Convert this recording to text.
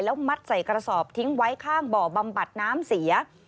มัดใส่กระสอบทิ้งไว้ข้างบ่อบำบัดน้ำเสีย